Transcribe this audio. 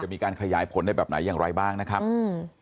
มีการขยายผลได้แบบไหนอย่างไรบ้างนะครับอืม